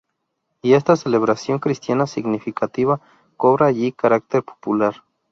Y esta celebración cristiana significativa cobra allí carácter popular.